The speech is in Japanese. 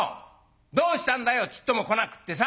どうしたんだよちっとも来なくってさ。